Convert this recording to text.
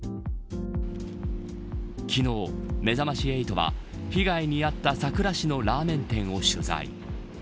昨日、めざまし８は被害に遭った佐倉市のラーメン店を取材。